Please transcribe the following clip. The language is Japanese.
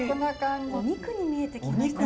お肉に見えてきた。